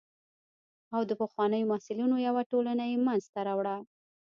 او د پخوانیو محصلینو یوه ټولنه یې منځته راوړه.